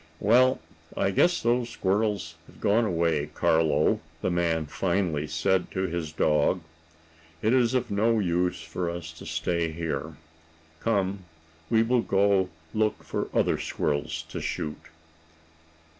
"Well, I guess those squirrels have gone away, Carlo," the man finally said to his dog. "It is of no use for us to stay here. Come, we will go look for other squirrels to shoot."